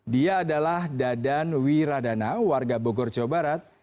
dia adalah dadan wiradana warga bogor jawa barat